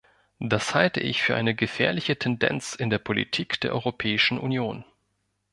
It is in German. Das halte ich für eine gefährliche Tendenz in der Politik der Europäischen Union.